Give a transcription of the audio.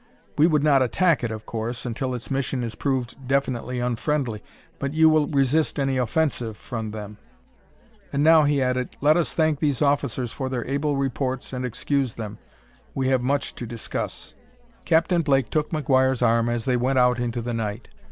We would not attack it, of course, until its mission is proved definitely unfriendly, but you will resist any offensive from them. "And now," he added, "let us thank these officers for their able reports and excuse them. We have much to discuss...." Captain Blake took McGuire's arm as they went out into the night.